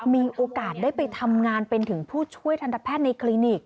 มีโอกาสได้ไปทำงานเป็นถึงผู้ช่วยทันตแพทย์ในคลินิก